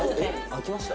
空きました。